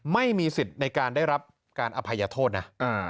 ไม่มีสิทธิ์ในการได้รับการอภัยโทษนะ